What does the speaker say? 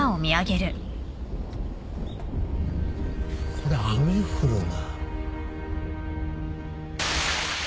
これ雨降るな。